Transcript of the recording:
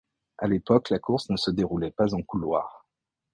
À l'époque la course ne se déroulait pas en couloir.